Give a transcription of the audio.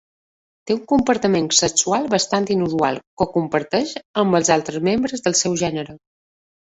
Té un comportament sexual bastant inusual que comparteix amb els altres membres del seu gènere.